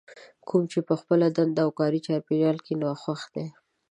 کوم چې په خپله دنده او کاري چاپېريال کې ناخوښ دي.